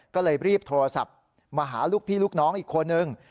ก็เลยรีบโทรศัพท์มาหาลูกพี่ลูกน้องอีกคนนึง